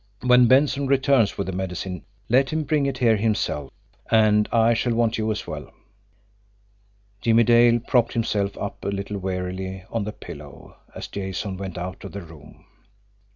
"When Benson returns with the medicine let him bring it here himself and I shall want you as well." Jimmie Dale propped himself up a little wearily on the pillows, as Jason went out of the room.